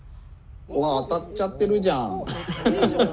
当たっちゃってるじゃん！